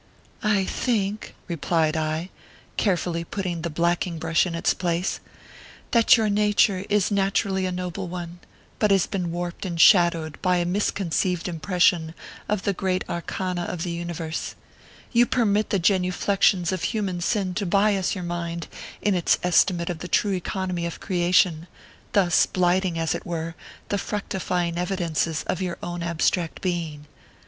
" I think," replied I, carefully putting the black ing brush in its place, " that your nature is naturally a noble one, but has been warped and shadowed by a misconceived impression of the great arcana of the universe. You permit the genuflexions of human sin to bias your inind in its estimate of the true economy of creation ; thus blighting, as it were, the fructifying evidences of your own abstract being " ORPHEUS C. KERR PAPERS.